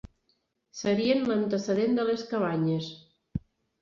Serien l'antecedent de les cabanyes.